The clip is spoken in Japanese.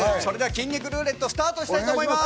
筋肉ルーレットで決めたいと思います。